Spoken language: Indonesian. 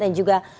dan juga pak erik